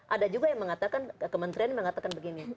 ada juga yang mengatakan kementerian mengatakan begini